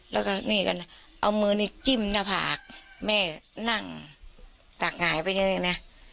แล้วก็นี่ก็เอามือนี่จิ้มหน้าผากแม่นั่งตักหงายไปเฉยนะ